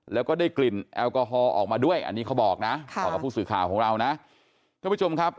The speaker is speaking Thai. แล้วก็ได้กลิ่นแอลกอฮอล์ออกมาด้วยอันนี้เขาบอกนะผู้สื่อข่าวของเรานะ